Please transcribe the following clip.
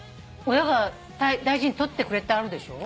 親が大事に取ってくれてあるでしょ。